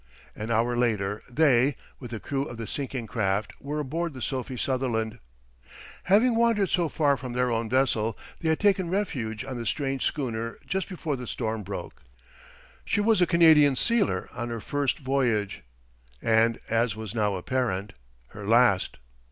An hour later they, with the crew of the sinking craft were aboard the Sophie Sutherland. Having wandered so far from their own vessel, they had taken refuge on the strange schooner just before the storm broke. She was a Canadian sealer on her first voyage, and as was now apparent, her last.